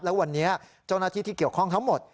แล้ววันนี้เจ้าหน้าที่ที่เกี่ยวข้องทั้งหมด